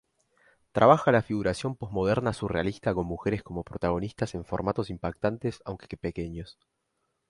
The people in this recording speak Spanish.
Trabaja la figuración posmoderna surrealista con mujeres como protagonistas en formatos impactantes, aunque pequeños.